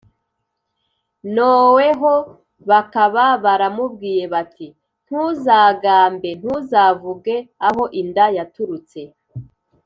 Noeho bakaba baramubwiye bati”ntuzagambe(ntuzavuge) aho inda yaturutse”